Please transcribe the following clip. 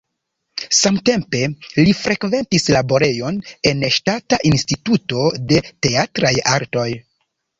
Samtempe li frekventis laborejon en Ŝtata Instituto de Teatraj Artoj.